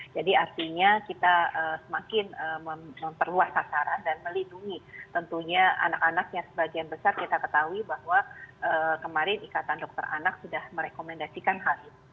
jadi artinya kita semakin memperluas sasaran dan melindungi tentunya anak anak yang sebagian besar kita ketahui bahwa kemarin ikatan dokter anak sudah merekomendasikan hari ini